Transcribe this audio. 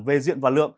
về diện vật